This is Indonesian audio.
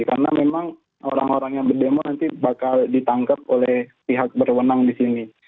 karena memang orang orang yang berdemonstrasi nanti bakal ditangkap oleh pihak berwenang di sini